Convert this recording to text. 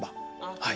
はい。